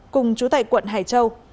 cùng chú tệ quận hải châu